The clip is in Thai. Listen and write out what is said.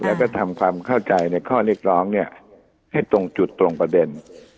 แล้วก็ทำความเข้าใจในข้อเรียกร้องให้ตรงจุดตรงประเด็น